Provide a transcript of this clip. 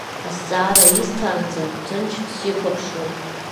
Азҵаара исҭаанӡа ҭынч сихәаԥшуан.